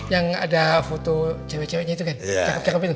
yang ada foto cewek ceweknya itu kan